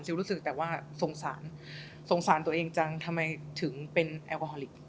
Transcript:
รู้สึกแต่ว่าสงสารสงสารตัวเองจังทำไมถึงเป็นแอลกอฮอลิก